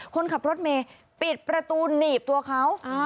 คนขับรถเมย์ปิดประตูหนีบตัวเขา